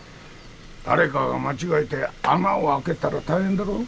誰かが間違えて穴を開けたら大変だろう？